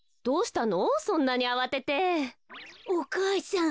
お母さん。